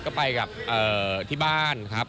ก็ไปกับที่บ้านครับ